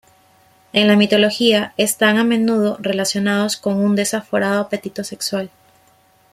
En la mitología están a menudo relacionados con un desaforado apetito sexual.